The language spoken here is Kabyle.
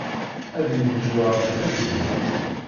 Ad yenǧu Rebbi tagellidt.